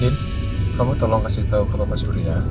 din kamu tolong kasih tahu ke bapak suri ya